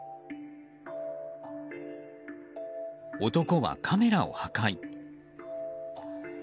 男はカメラを破壊。